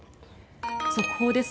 速報です。